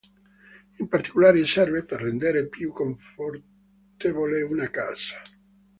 In particolare serve per rendere più confortevole una casa.